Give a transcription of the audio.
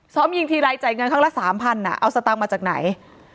ยิงทีไรจ่ายเงินครั้งละ๓๐๐บาทเอาสตางค์มาจากไหน